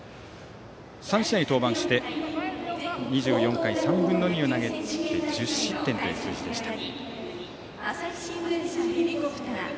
３試合に登板して２４回３分の２を投げて１０失点という数字でした。